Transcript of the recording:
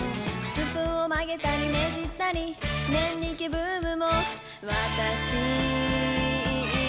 「スプーンを曲げたりねじったり念力ブームも私です」